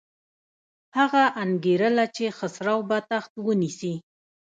هغه انګېرله چې خسرو به تخت ونیسي.